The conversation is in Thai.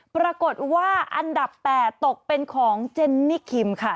ปรากฏว่าอันดับ๘ตกเป็นของเจนนี่คิมค่ะ